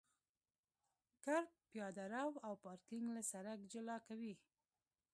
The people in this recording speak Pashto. کرب پیاده رو او پارکینګ له سرک جلا کوي